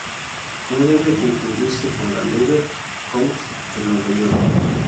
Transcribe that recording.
No debe confundirse con la "Lever House" de Nueva York.